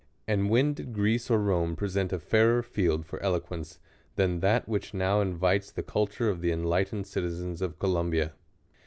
And when did Greece or Rome present a fairei\ field for eloquence than that which now invites the culture of the enlightened citizens of Columbia